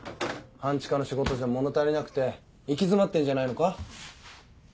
半地下の仕事じゃ物足りなくて行き詰まってんじゃないのか？